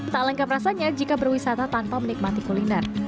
tak lengkap rasanya jika berwisata tanpa menikmati kuliner